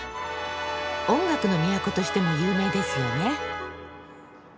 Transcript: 音楽の都としても有名ですよね。